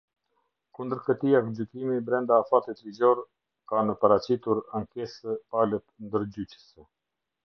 Kundër këtij aktgjykimi brenda afatit ligjor ka në paraqitur ankesë palët ndërgjyqëse.